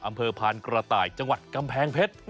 อำเภอพานกระต่ายจังหวัดกำแพงเพชร